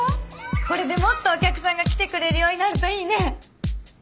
これでもっとお客さんが来てくれるようになるといいね！